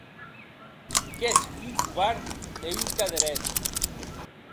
Qu'ètz un covard e un caderet.